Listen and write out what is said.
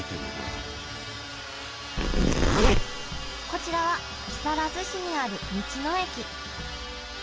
こちらは木更津市にある道の駅。